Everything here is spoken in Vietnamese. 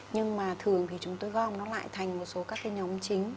nhưng mà thường thì chúng tôi gom nó lại thành một số các cái nhóm chính